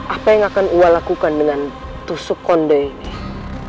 apa yang akan ua lakukan dengan tusuk konde ini